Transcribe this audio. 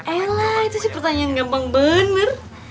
ayolah itu sih pertanyaan gampang bener